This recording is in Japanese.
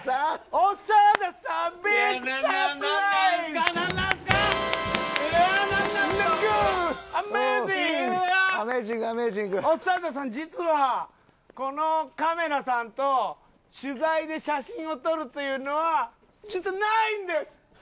オサダサン実はこのカメラさんと取材で写真を撮るというのは実はないんです！